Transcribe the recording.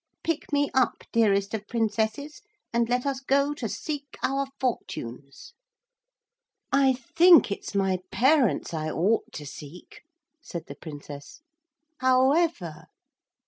Pick me up, dearest of Princesses, and let us go to seek our fortunes.' 'I think it's my parents I ought to seek,' said the Princess. 'However...'